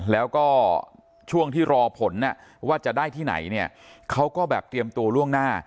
แล้วก็ช่วงที่รอผลว่าจะได้ที่ไหนเนี่ยเขาก็แบบเตรียมตัวล่วงหน้า